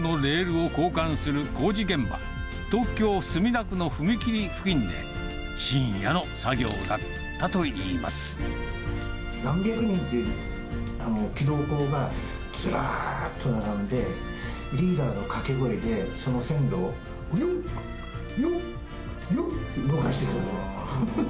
鉄道のレールを交換する工事現場、東京・墨田区の踏切付近で、何百人っていう軌道工が、ずらーっと並んで、リーダーの掛け声で、その線路をよっ、よっ、よって動かしていくの。